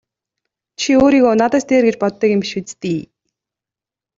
Чи өөрийгөө надаас дээр гэж боддог юм биш биз дээ!